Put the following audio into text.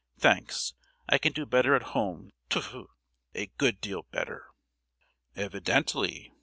thanks, I can do better at home; t'fu, a good deal better." "Evidently!"